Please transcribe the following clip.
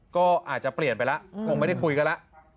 ก็อาจจะเปลี่ยนไปแล้วคงไม่ได้คุยกันแล้ว